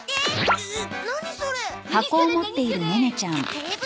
えっ！？